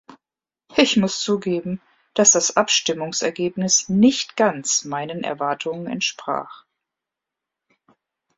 Ich muss zugeben, dass das Abstimmungsergebnis nicht ganz meinen Erwartungen entsprach.